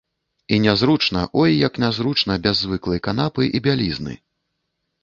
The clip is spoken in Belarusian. І нязручна, ой як нязручна без звыклай канапы і бялізны!